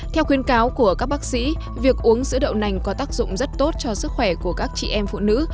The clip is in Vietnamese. theo khuyên cáo của các bác sĩ việc uống sữa đậu nành có tác dụng rất tốt cho sức khỏe của các chị em phụ nữ